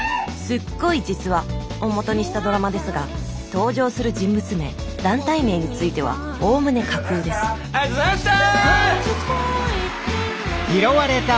すっごい実話！をもとにしたドラマですが登場する人物名団体名についてはおおむね架空ですありがとうございました！